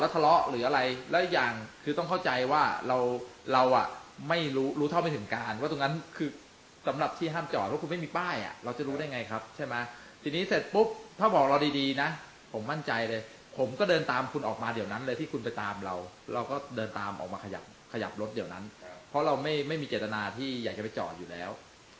ทะเลาะหรืออะไรแล้วอีกอย่างคือต้องเข้าใจว่าเราเราอ่ะไม่รู้รู้เท่าไม่ถึงการว่าตรงนั้นคือสำหรับที่ห้ามจอดเพราะคุณไม่มีป้ายอ่ะเราจะรู้ได้ไงครับใช่ไหมทีนี้เสร็จปุ๊บถ้าบอกเราดีดีนะผมมั่นใจเลยผมก็เดินตามคุณออกมาเดี๋ยวนั้นเลยที่คุณไปตามเราเราก็เดินตามออกมาขยับขยับรถเดี๋ยวนั้นเพราะเราไม่ไม่มีเจตนาที่อยากจะไปจอดอยู่แล้ว